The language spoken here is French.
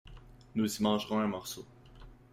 Nous y mangerons un morceau.